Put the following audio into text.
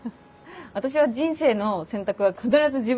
私は人生の選択は必ず自分がしたいの。